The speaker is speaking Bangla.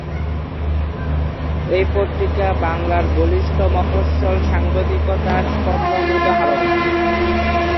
এই পত্রিকা বাংলার বলিষ্ঠ মফস্বল সাংবাদিকতার প্রথম উদাহরণ।